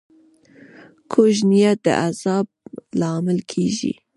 کوږ نیت د عذاب لامل کېږي